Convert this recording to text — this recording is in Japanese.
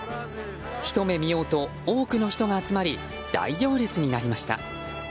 ひと目見ようと多くの人が集まり大行列になりました。